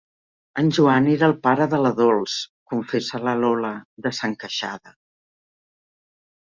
El Joan era el pare de la Dols, confessa la Lola, desencaixada.